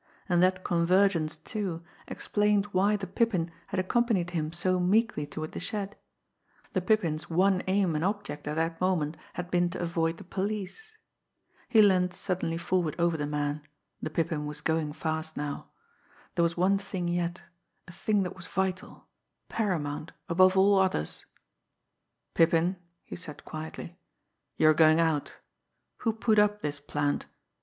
And that convergence, too, explained why the Pippin had accompanied him so meekly toward the shed the Pippin's one aim and object at that moment had been to avoid the police! He leaned suddenly forward over the man the Pippin was going fast now. There was one thing yet, a thing that was vital, paramount, above all others. "Pippin," he said quietly, "you're going out. Who put up this plant?